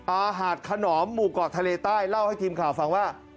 อาหารขนอมหมู่เกาะทะเลใต้เล่าให้ทีมข่าวฟังว่า